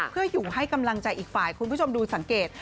เพื่ออยู่ให้กำลังใจอีกฝ่ายคุณผู้ชมดูสังเกต